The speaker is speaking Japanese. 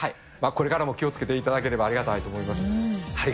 これからも気をつけていただきたいとありがたいと思います。